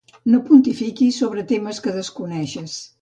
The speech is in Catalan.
No pontifiquis sobre temes que desconeixes.